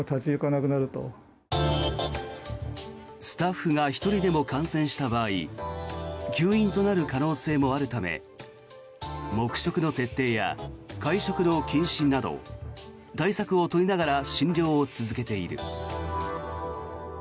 スタッフが１人でも感染した場合休院となる可能性もあるため黙食の徹底や会食の禁止など対策を取りながら診療を続けている。